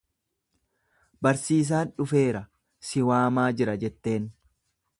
Barsiisaan dhufeera, si waamaa jira jetteen.